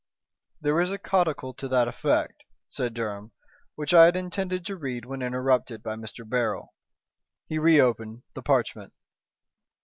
"There is a codicil to that effect," said Durham, "which I had intended to read when interrupted by Mr. Beryl." He re opened the parchment.